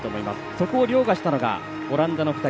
そこをりょうがしたのがオランダの２人。